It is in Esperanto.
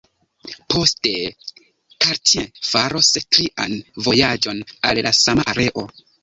Poste Cartier faros trian vojaĝon al la sama areo.